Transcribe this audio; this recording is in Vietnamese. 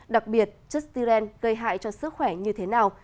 đặc biệt chất styren gây hại cho sức khỏe như thế nào